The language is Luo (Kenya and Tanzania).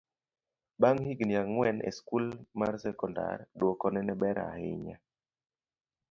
bang' higni ang'wen e skul mar sekondar, dwokone ne ber ahinya